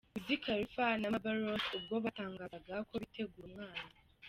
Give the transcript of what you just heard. Wiz Khalifa na Maber Rose ubwo batangazaga ko bitegura umwana.